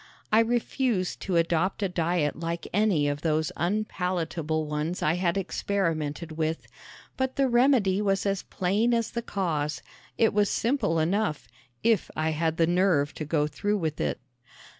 I refused to adopt a diet like any of those unpalatable ones I had experimented with, but the remedy was as plain as the cause. It was simple enough if I had the nerve to go through with it.